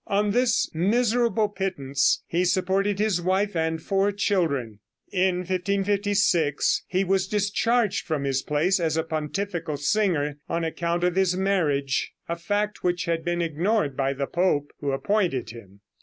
On this miserable pittance he supported his wife and four children. In 1556 he was discharged from his place as a pontifical singer, on account of his marriage, a fact which had been ignored by the pope who appointed him.